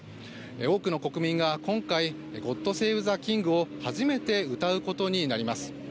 多くの国民が今回、「ゴッド・セーブ・ザ・キング」を初めて歌うことになります。